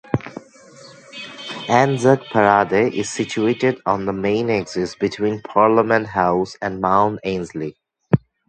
Anzac Parade is situated on the main axis between Parliament House and Mount Ainslie.